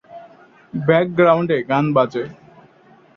ব্যাকগ্রাউন্ডে গান বাজে।